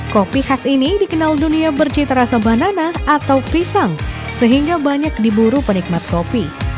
kopi khas ini dikenal dunia bercita rasa banana atau pisang sehingga banyak diburu penikmat kopi